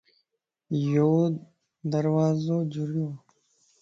يو دروازو جريووَ